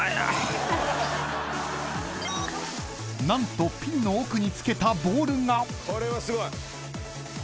［何とピンの奥につけたボールが］